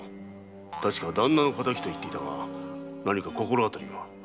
確か「旦那の敵」と言ったが何か心当たりは？